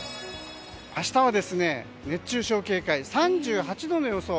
明日は熱中症警戒３８度の予想。